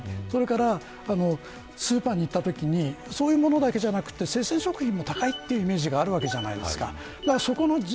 それからスーパーに行ったときにそういうものだけじゃなくて生鮮食品も高いというイメージがあるわけです。